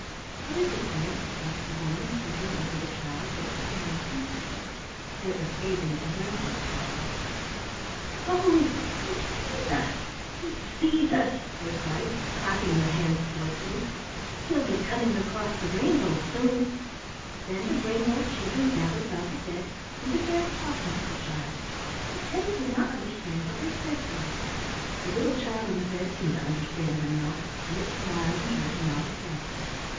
"What is it, dear?" asked the woman, bending over the child, but it paid no attention to her, for it was gazing at the rainbow children. "Oh, he sees us! he sees us!" they cried, clapping their hands joyfully. "He'll be coming across the rainbow soon." Then the rainbow children gathered about the bed and began talking to the child, but Teddy could not understand what they said to it. The little child on the bed seemed to understand them though, and it smiled and tried to nod its head.